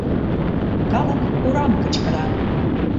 Калык «урам» кычкыра.